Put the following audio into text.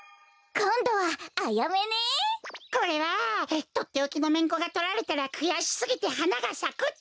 これはとっておきのめんこがとられたらくやしすぎてはながさくってか！